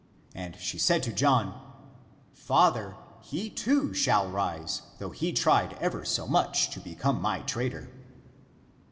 And she said to John, " Father, he, too, shall rise, though he tried ever so much to become my traitor."